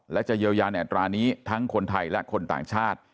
และจะเยียวยาในอัตรานี้ทั้งคนไทยและคนต่างชาติ